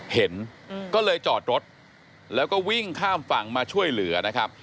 เห็นก็เลยจอดรถแล้วก็วิ่งข้ามฝั่งมาช่วยเหลือนะครับ